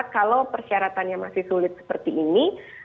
kalau persyaratannya masih sulit seperti ini